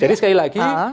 jadi sekali lagi